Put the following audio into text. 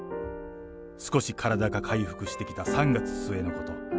少し体が回復してきた３月末のこと。